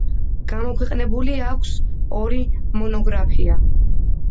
გამოქვეყნებული აქვს ორი მონოგრაფია.